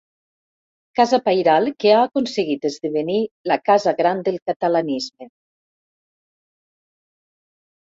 Casa pairal que ha aconseguit esdevenir la casa gran del catalanisme.